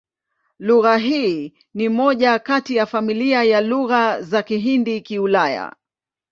Lugha hii ni moja kati ya familia ya Lugha za Kihindi-Kiulaya.